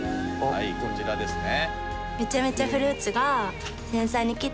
はいこちらですね。